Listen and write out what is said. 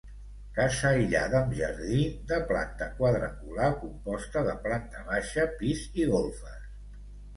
Casa aïllada amb jardí, de planta quadrangular, composta de planta baixa, pis i golfes.